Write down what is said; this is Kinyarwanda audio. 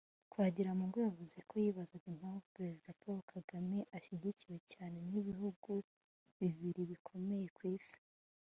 Twagiramungu yavuze ko yibaza impamvu Perezida Paul Kagame ashyigikiwe cyane n’ibihugu bibiri bikomeye ku isi